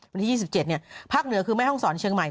วันที่๒๗ภาคเหนือคือแม่ห้องศรเชียงใหม่